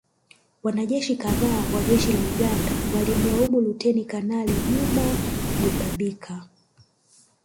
Wanajeshi kadhaa wa Jeshi la Uganda walimlaumu Luteni Kanali Juma Butabika